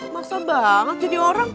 masa banget jadi orang